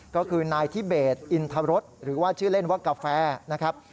ก็คือนายทิเบสอินทรสหรือว่าชื่อเล่นว่ากาแฟนะครับ